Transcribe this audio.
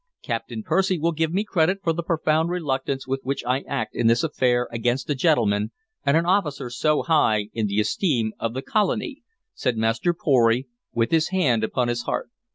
"Captain Percy will give me credit for the profound reluctance with which I act in this affair against a gentleman and an officer so high in the esteem of the colony," said Master Pory, with his hand upon his heart.